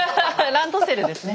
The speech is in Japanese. ランドセルですね。